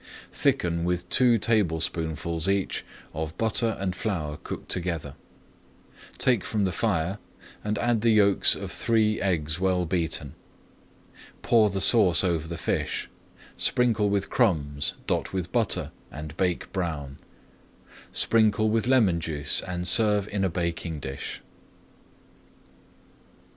Thicken with two tablespoonfuls each of butter and flour cooked together, take from the fire, and add the yolks of three eggs well beaten. Pour the sauce over the fish, sprinkle with crumbs, dot with butter, and bake brown. Sprinkle with lemon juice and serve in a baking dish.